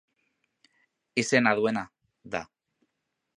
Izena duena, da.